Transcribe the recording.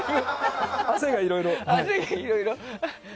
汗がいろいろ。